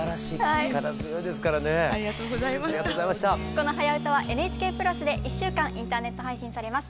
この「はやウタ」はＮＨＫプラスで１週間インターネット配信されます。